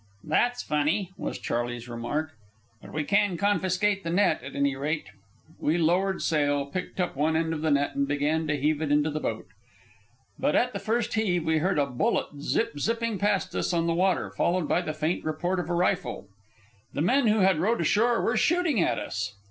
"That's funny," was Charley's remark. "But we can confiscate the net, at any rate." We lowered sail, picked up one end of the net, and began to heave it into the boat. But at the first heave we heard a bullet zip zipping past us on the water, followed by the faint report of a rifle. The men who had rowed ashore were shooting at us.